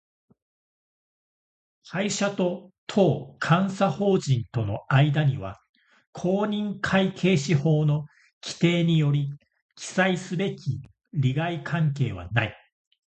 会社と当監査法人との間には、公認会計士法の規定により記載すべき利害関係はない